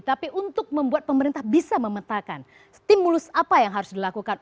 tapi untuk membuat pemerintah bisa memetakan stimulus apa yang harus dilakukan